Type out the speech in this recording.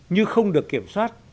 như không được kiểm soát